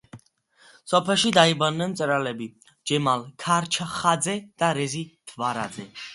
სოფელში დაიბადნენ მწერლები ჯემალ ქარჩხაძე და რეზი თვარაძე.